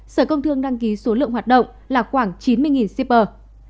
sở công thương đăng ký số lượng hoạt động là khoảng chín mươi shipper